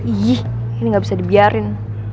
iya ini gak bisa dibiarin